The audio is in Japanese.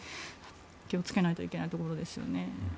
気をつけないといけないところですね。